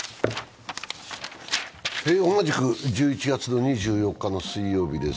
同じく１１月２４日の水曜日です。